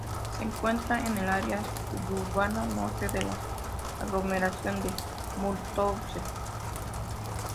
Se encuentra en el área suburbana norte de la aglomeración de Mulhouse.